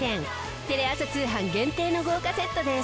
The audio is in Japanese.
テレ朝通販限定の豪華セットです。